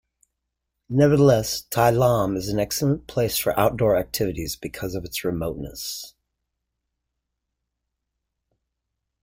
Nevertheless, Tai Lam is an excellent place for outdoor activities because of its remoteness.